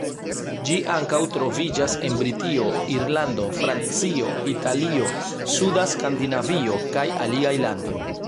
Ĝi ankaŭ troviĝas en Britio, Irlando, Francio, Italio, suda Skandinavio, kaj aliaj landoj.